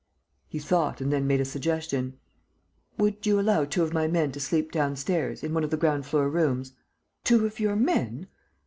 He thought and then made a suggestion: "Would you allow two of my men to sleep downstairs, in one of the ground floor rooms?" "Two of your men?